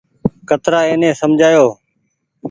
ڪترآ ايني سمجهآئو۔